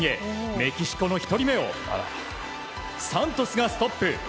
メキシコの１人目をサントスがストップ。